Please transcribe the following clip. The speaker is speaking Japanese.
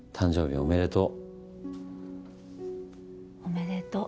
おめでとう。